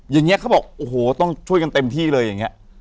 อย่างนี้เขาบอกโอ้โหต้องช่วยกันเต็มที่เลยอย่างนี้